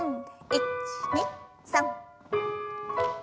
１２３。